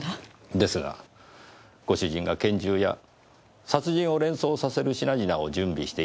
ですがご主人が拳銃や殺人を連想させる品々を準備していた事は事実です。